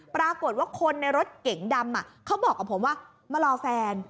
ปรากฏว่าคนในรถเก๋งดำเขาบอกกับผมว่ามารอแฟน